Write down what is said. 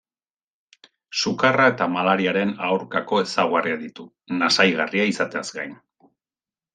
Sukarra eta malariaren aurkako ezaugarriak ditu, nasaigarria izateaz gain.